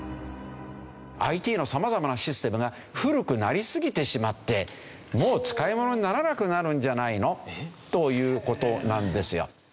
ＩＴのさまざまなシステムが古くなりすぎてしまってもう使いものにならなくなるんじゃないの？という事なんですよ。